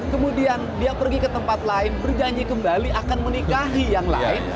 kemudian dia pergi ke tempat lain berjanji kembali akan menikahi yang lain